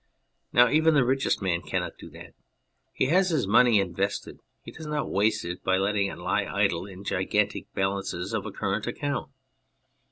Now even the richest man cannot do that. He has his money invested, he does not waste it by letting it lie idle in gigantic balances of a current account.